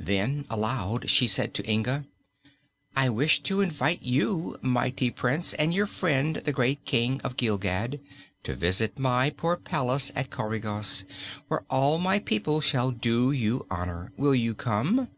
Then, aloud, she said to Inga: "I wish to invite you, mighty Prince, and your friend, the great King of Gilgad, to visit my poor palace at Coregos, where all my people shall do you honor. Will you come?"